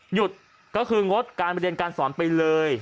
หยุดก็คืองดการเรียนการสอนไปเลย